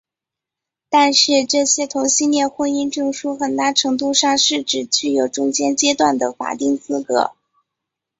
但是这些同性恋婚姻证书很大程度上是只具有中间阶段的法定资格。